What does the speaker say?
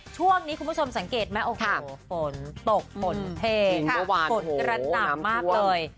ช่วงนี้คุณผู้ชมสังเกตไหมโอ้โหฝนตกฝนเทฝนกระหน่ำมากเลย